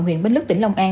huyện bến lức tỉnh long an